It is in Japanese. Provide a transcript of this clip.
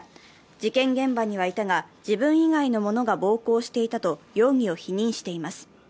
事件現場にはいたが、自分以外のものが暴行していたと容疑を否認しています。